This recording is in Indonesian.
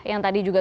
yang tadi juga